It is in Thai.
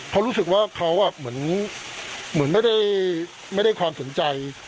เขารู้สึกว่าเขาอ่ะเหมือนเหมือนไม่ได้ไม่ได้ความสนใจ